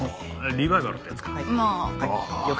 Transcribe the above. リバイバルってやつか？